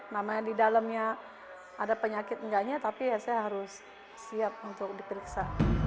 namanya di dalamnya ada penyakit enggaknya tapi ya saya harus siap untuk diperiksa